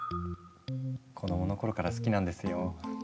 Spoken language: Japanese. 子供の頃から好きなんですよ。